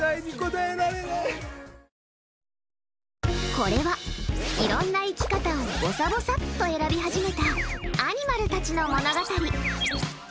これは、いろんな生き方をぼさぼさっと選び始めたアニマルたちの物語。